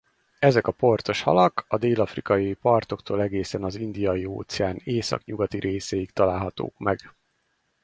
Ezek a porcos halak a dél-afrikai partoktól egészen az Indiai-óceán északnyugati részéig találhatók meg.